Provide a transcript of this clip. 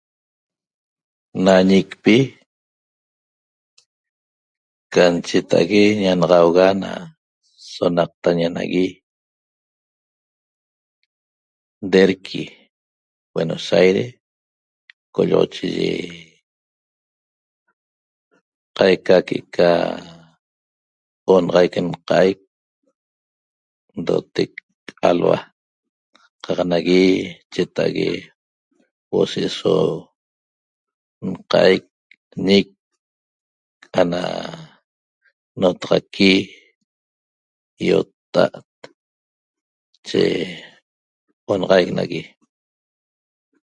Na ñicpi can cheta'ague ñanaxauga na sonaqtaña nagui Derqui Buenos Aires co'olloxochiyi qaica que'eca onaxaic nqa'aic ndotec alhua qaq nagui cheta'ague huo'o se'eso nqa'aic ñic ana notaxaqui ýotta'at nache onaxaic nagui